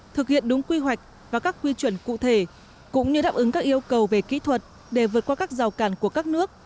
thực hiện đúng quy hoạch và các quy chuẩn cụ thể cũng như đáp ứng các yêu cầu về kỹ thuật để vượt qua các rào càn của các nước